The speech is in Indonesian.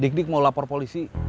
dik dik mau lapor polisi